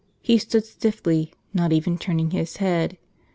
He stood stiffly, not even turning his head.